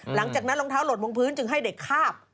หลังจากนั้นรองเท้าหลดบนพื้นจึงให้เด็กข้าบ